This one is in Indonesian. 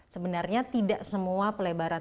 sebenarnya tidak semua pelebaran